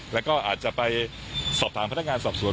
แล้วก็อาจจะไปสอบถามพนักงานสอบสวน